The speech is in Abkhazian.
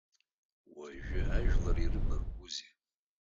Уажәы ажәлар ирыбаргәузеи!